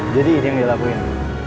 jadi ini yang dilakuin